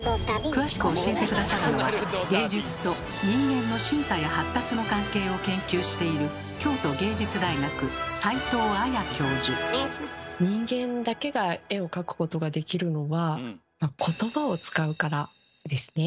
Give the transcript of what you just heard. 詳しく教えて下さるのは芸術と人間の進化や発達の関係を研究している人間だけが絵を描くことができるのはことばを使うからですね。